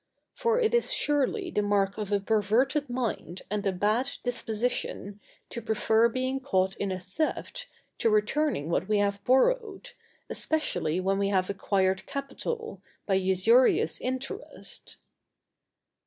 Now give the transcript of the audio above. For it is surely the mark of a perverted mind and a bad disposition, to prefer being caught in a theft to returning what we have borrowed, especially when we have acquired capital, by usurious interest.